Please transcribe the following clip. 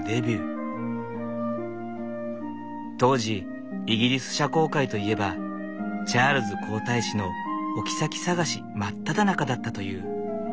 当時イギリス社交界といえばチャールズ皇太子のおきさき探し真っただ中だったという。